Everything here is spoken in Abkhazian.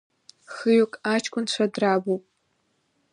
Хҩык аҷкәынцәа драбуп.